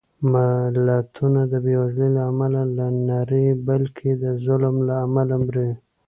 ملتونه د بېوزلۍ له امله نه مري، بلکې د ظلم له امله مري